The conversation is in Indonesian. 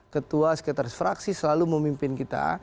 ketua sekretaris fraksi selalu memimpin kita